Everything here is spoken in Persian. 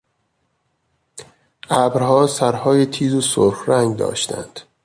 ابرها سرهای تیز و سرخ رنگ داشتند.